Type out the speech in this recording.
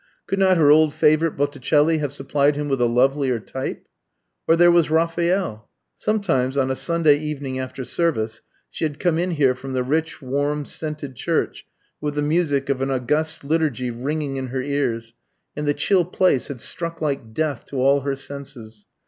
Could not her old favourite Botticelli have supplied him with a lovelier type? Or there was Raphael. Sometimes, on a Sunday evening after service, she had come in here from the rich, warm, scented church, with the music of an august liturgy ringing in her ears, and the chill place had struck like death to all her senses.